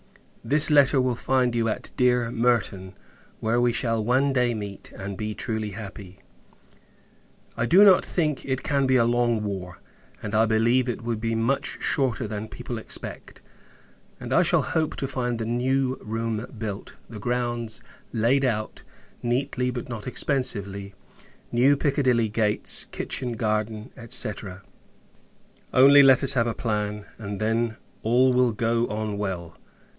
This letter will find you at dear Merton; where we shall one day meet, and be truly happy. I do not think it can be a long war; and, I believe, it will be much shorter than people expect: and I shall hope to find the new room built; the grounds laid out, neatly but not expensively; new Piccadilly gates; kitchen garden; &c. Only let us have a plan, and then all will go on well.